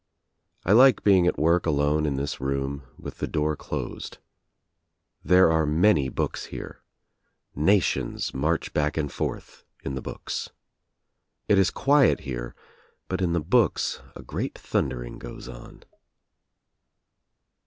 I like being at work alone in this room with the door closed. There are many books here. Nations march back and forth in the books. It is quiet here but in the books a great thundering goes on.